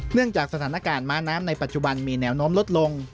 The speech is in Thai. จากสถานการณ์ม้าน้ำในปัจจุบันมีแนวโน้มลดลง